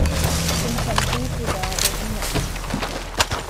Infanterie-Brigade in Metz.